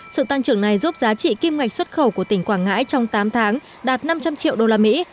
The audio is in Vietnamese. sự tăng trưởng này giúp giá trị kim ngạch xuất khẩu của tỉnh quảng ngãi trong tám tháng đạt năm trăm linh triệu usd